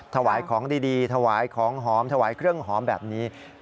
ถวายของดีถวายของหอมถวายเครื่องหอมแบบนี้